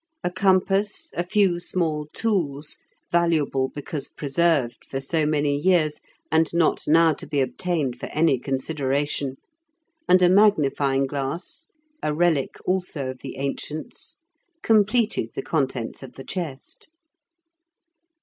A compass, a few small tools (valuable because preserved for so many years, and not now to be obtained for any consideration), and a magnifying glass, a relic also of the ancients, completed the contents of the chest.